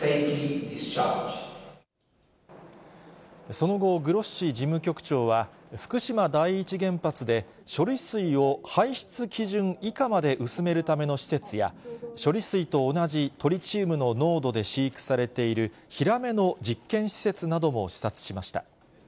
その後、グロッシ事務局長は、福島第一原発で処理水を排出基準以下まで薄めるための施設や、処理水と同じトリチウムの濃度で飼育されているヒラメの実験施設なども視察しました。